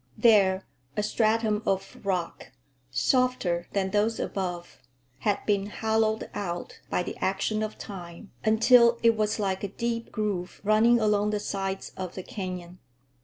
There a stratum of rock, softer than those above, had been hollowed out by the action of time until it was like a deep groove running along the sides of the canyon.